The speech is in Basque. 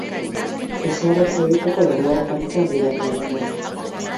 Ezer ez egiteko denbora tarteak bilatu nituen.